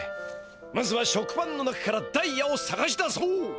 まずは食パンの中からダイヤをさがし出そう。